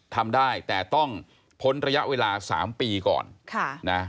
ทำได้แต่ต้องพ้นระยะเวลา๓ปีก่อน